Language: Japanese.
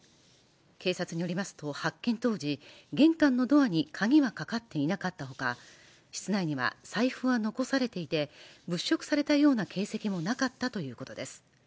警察によりますと発見当時玄関のドアに鍵はかかっていなかったほか室内には財布は残されていて物色されたような形跡もなかったということです